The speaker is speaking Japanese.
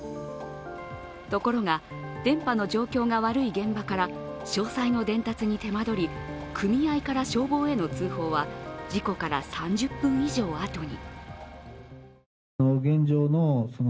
ところが、電波の状況が悪い現場から詳細の伝達に手間取り組合から消防への通報は事故から３０分以上あとに。